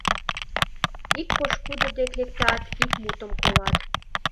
Ик пошкудо дек лектат — ик мутым колат.